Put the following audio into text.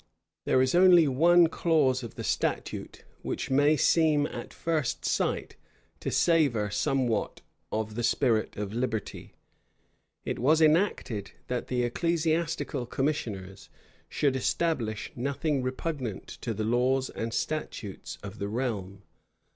There is only one clause of the statute which may seem at first sight to savor somewhat of the spirit of liberty: it was enacted, that the ecclesiastical commissioners should establish nothing repugnant to the laws and statutes of the realm.